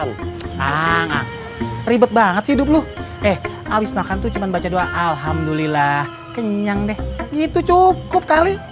hanga ribet banget sih dub lu eh abis makan tuh cuma baca doa alhamdulillah kenyang deh gitu cukup kali